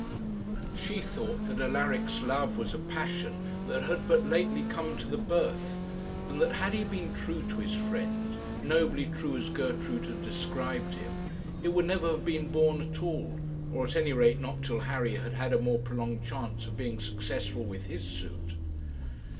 She thought that Alaric's love was a passion that had but lately come to the birth, and that had he been true to his friend nobly true as Gertrude had described him it would never have been born at all, or at any rate not till Harry had had a more prolonged chance of being successful with his suit.